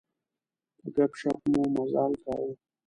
په ګپ شپ مو مزال کاوه.